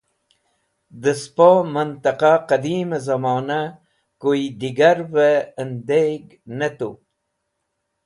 Dẽ spo mẽntẽqa qẽdim zẽmona kuy digarvẽ ẽndeg ne tu.